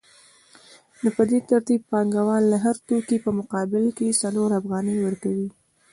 نو په دې ترتیب پانګوال د هر توکي په مقابل کې څلور افغانۍ ورکوي